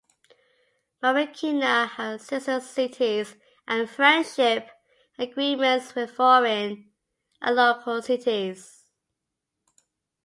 Marikina has sister cities and friendship agreements with foreign and local cities.